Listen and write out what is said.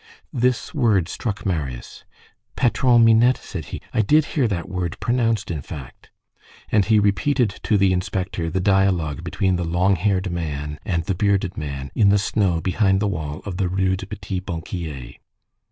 This word struck Marius. "Patron Minette," said he, "I did hear that word pronounced, in fact." And he repeated to the inspector the dialogue between the long haired man and the bearded man in the snow behind the wall of the Rue du Petit Banquier.